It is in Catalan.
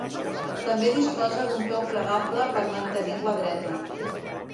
També disposa d'un peu plegable per mantenir-la dreta.